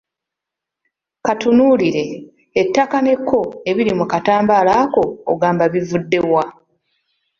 Katunuulire, ettaka n'ekko ebiri mu katambaala ako ogamba bivudde wa?